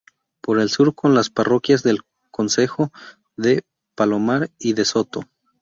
Por el sur con las parroquias del concejo de Palomar y de Soto.